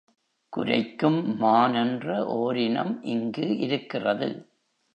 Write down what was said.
குரைக்கும் மான் என்ற ஓரினம் இங்கு இருக்கிறது.